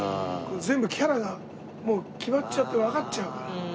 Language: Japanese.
全部キャラがもう決まっちゃってわかっちゃうから。